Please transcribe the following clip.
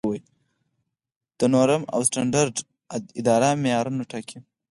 د نورم او سټنډرډ اداره معیارونه ټاکي